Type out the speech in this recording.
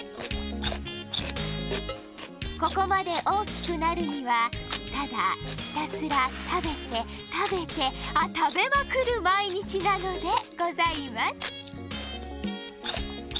ここまでおおきくなるにはただひたすらたべてたべてあたべまくるまいにちなのでございます。